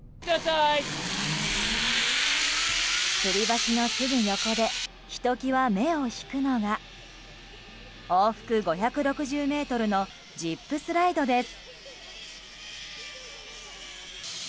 つり橋のすぐ横でひと際、目を引くのが往復５６０ｍのジップスライドです。